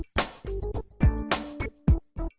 apinya boleh jalan selama duransyah